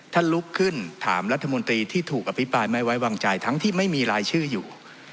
ลุกขึ้นถามรัฐมนตรีที่ถูกอภิปรายไม่ไว้วางใจทั้งที่ไม่มีรายชื่ออยู่